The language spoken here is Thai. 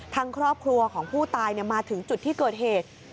ทางครอบครัวของผู้ตายมาถึงจุดที่เกิดเหตุ